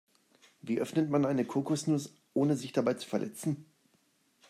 Wie öffnet man eine Kokosnuss, ohne sich dabei zu verletzen?